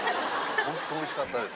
ほんとおいしかったです。